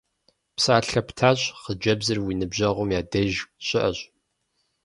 Псалъэ птащ, хъыджэбзыр уи ныбжьэгъум я деж щыӀэщ.